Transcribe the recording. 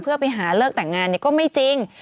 เพื่อไปหาเลิกแต่งงานก็ไม่จริง